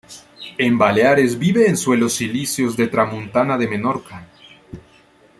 En Baleares vive en suelos silíceos de Tramuntana de Menorca.